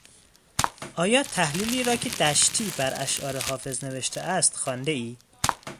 آیا تحلیلی را که دشتی بر اشعار حافظ نوشته است خواندهای؟